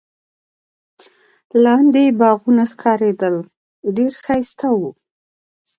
لاندي باغونه ښکارېدل، ډېر ښایسته وو.